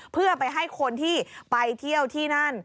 เพื่อไปให้คนที่ไปเที่ยวที่นั่น